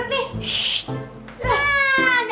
kasian kasian disini